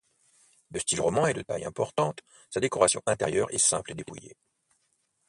De style roman et de taille importante, sa décoration intérieure est simple et dépouillée.